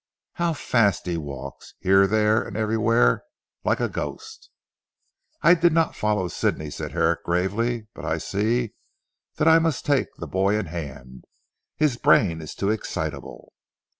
"How fast he walks. Here, there, and everywhere, like a ghost!" "I did not follow Sidney," said Herrick gravely, "but I see that I must take the boy in hand. His brain is too excitable."